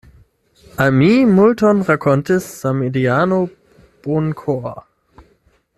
Al mi multon rakontis samideano Bonkor.